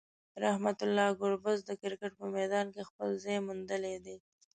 رحمان الله ګربز د کرکټ په میدان کې خپل ځای موندلی دی.